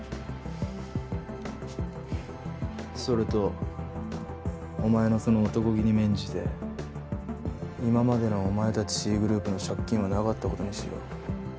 それとお前のそのおとこ気に免じて今までのお前たちＣグループの借金はなかった事にしよう。